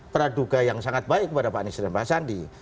praduga yang sangat baik kepada pak anies dan pak sandi